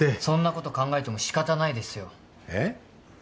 そんなこと考えてもしかたないですよ。えっ？